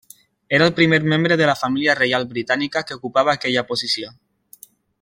Era el primer membre de la família reial britànica que ocupava aquella posició.